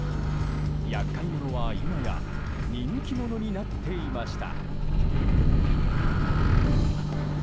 厄介者は今や人気者になっていました。